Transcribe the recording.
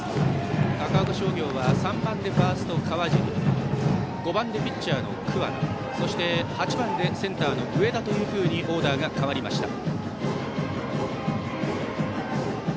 高岡商業は３番でファースト、川尻５番でピッチャーの桑名そして、８番でセンターの上田とオーダーが変わりました。